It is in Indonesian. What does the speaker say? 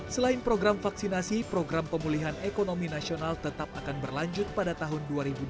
selain program vaksinasi program pemulihan ekonomi nasional tetap akan berlanjut pada tahun dua ribu dua puluh